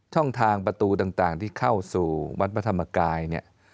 ช่องทางประตูต่างที่เข้าสู่วัดพระธรรมกายเนี่ย